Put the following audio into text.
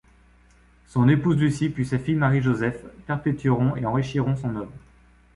Son épouse Lucie puis sa fille Marie-Joseph perpétueront et enrichiront son œuvre.